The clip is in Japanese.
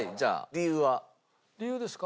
理由ですか？